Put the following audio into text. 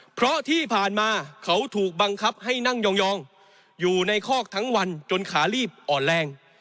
เพราะที่ผ่านมาเขาถูกบังคับให้นั่งยองอยู่ในคอกทั้งวันจนขาลีบอ่อนแรง